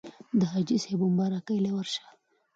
د حاجي صېب اومبارکۍ له ورشه